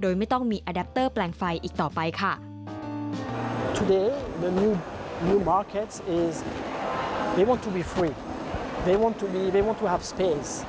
โดยไม่ต้องมีแปลงไฟอีกต่อไปค่ะ